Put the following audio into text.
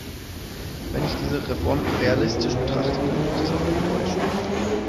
Wenn ich diese Reform realistisch betrachte, dann gibt es auch Enttäuschungen.